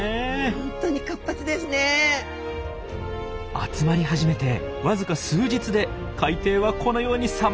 集まり始めてわずか数日で海底はこのように様変わり！